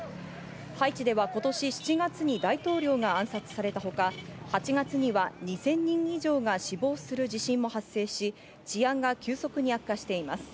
ハイチでは今年７月に大統領が暗殺されたほか、８月には２０００人以上が死亡する地震も発生し治安が急速に悪化しています。